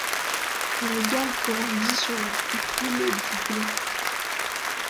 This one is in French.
La galle grandit sur la cupule du gland.